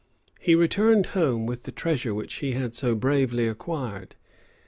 He returned home with the treasure which he had so bravely acquired.